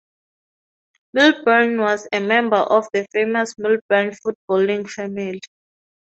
Milburn was a member of the famous Milburn footballing family.